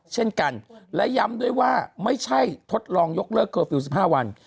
เช่นกันและย้ำด้วยว่าไม่ใช่ทดลองยกเลิกเคอร์ฟิลล์๑๕วัน